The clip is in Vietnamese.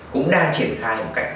cũng đang triển khai một cạnh